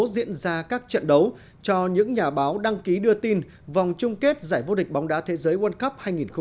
diễn ra các trận đấu cho những nhà báo đăng ký đưa tin vòng chung kết giải vô địch bóng đá thế giới world cup hai nghìn hai mươi